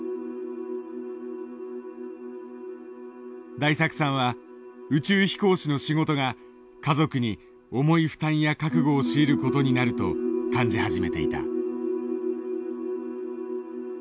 大作さんは宇宙飛行士の仕事が家族に重い負担や覚悟を強いる事になると感じ始めていた。